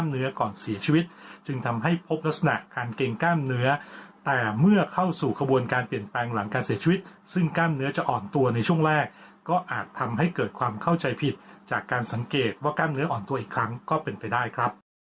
เสียชีวิตจึงทำให้พบลักษณะการเกรงกล้ามเนื้อแต่เมื่อเข้าสู่ขบวนการเปลี่ยนแปลงหลังการเสียชีวิตซึ่งกล้ามเนื้อจะอ่อนตัวในช่วงแรกก็อาจทำให้เกิดความเข้าใจผิดจากการสังเกตว่ากล้ามเนื้ออ่อนตัวอีกครั้งก็เป็นไปได้ครับ